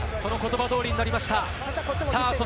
その言葉通りになりました。